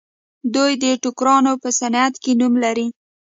دوی د ټوکرانو په صنعت کې نوم لري.